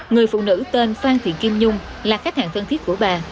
người phụ nữ tên phan thị kim nhung là khách hàng thân thiết của bà